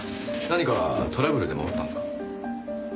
何かトラブルでもあったんですか？